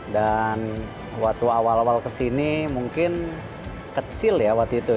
dan waktu awal awal ke sini mungkin kecil ya waktu itu